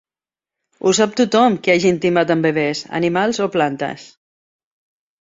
Ho sap tothom que hagi intimat amb bebès, animals o plantes.